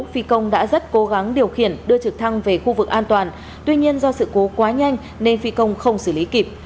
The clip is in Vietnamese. phi công đã rất cố gắng điều khiển đưa trực thăng về khu vực an toàn tuy nhiên do sự cố quá nhanh nên phi công không xử lý kịp